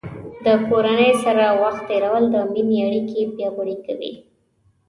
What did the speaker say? د کورنۍ سره وخت تیرول د مینې اړیکې پیاوړې کوي.